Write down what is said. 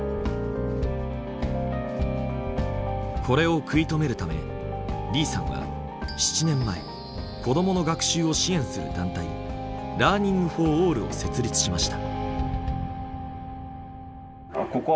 これを食い止めるため李さんは７年前子どもの学習を支援する団体「ＬｅａｒｎｉｎｇｆｏｒＡｌｌ」を設立しました。